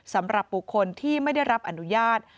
สำหรับบุคคลที่ไม่ได้รับอนุญาต